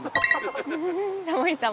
タモリさん